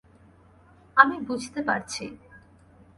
আমি বুঝতে পারছি।